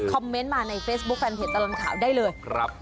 เมนต์มาในเฟซบุ๊คแฟนเพจตลอดข่าวได้เลยครับ